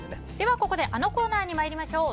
ここであのコーナーに参りましょう。